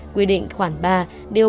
quy định khoản ba điều ba trăm năm mươi sáu